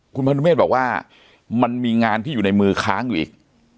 คุณพนุเมฆบอกว่ามันมีงานที่อยู่ในมือค้างอยู่อีก